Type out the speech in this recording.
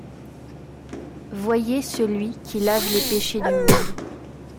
Voyez celui qui lave les péchés du monde.